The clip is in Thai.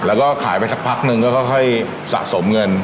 แล้วก็ขายไปสักพักนึงก็ค่อยสะสมเงิน